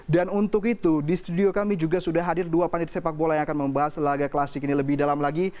dan untuk itu di studio kami juga sudah hadir dua pandit sepak bola yang akan membahas laga klasik ini lebih dalam lagi